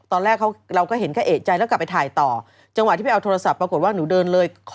ตอนแรกเขาเราก็เห็นแค่เอกใจแล้วกลับไปถ่ายต่อจังหวะที่ไปเอาโทรศัพท์ปรากฏว่าหนูเดินเลย